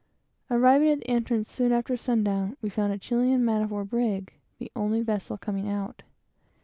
Arriving at the entrance soon after sun down, we found a Chilian man of war brig, the only vessel, coming out.